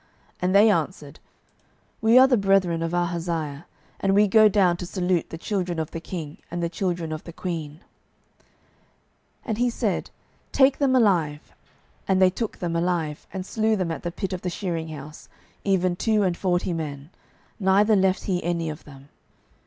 And they answered, We are the brethren of Ahaziah; and we go down to salute the children of the king and the children of the queen. 12:010:014 And he said, Take them alive. And they took them alive, and slew them at the pit of the shearing house, even two and forty men; neither left he any of them.